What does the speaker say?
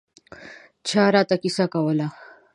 چا راته کیسه کوله.